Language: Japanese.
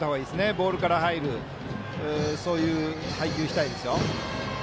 ボールから入るそういう配球をしたいですよ。